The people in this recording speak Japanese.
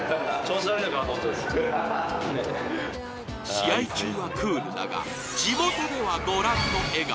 試合中はクールだが地元ではご覧の笑顔。